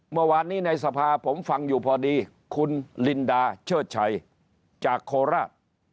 เมื่อวานนี้ในสภาผมฟังอยู่พอดีคุณลินดาเชิดชัยจากโคราช